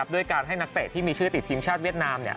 ด้วยการให้นักเตะที่มีชื่อติดทีมชาติเวียดนาม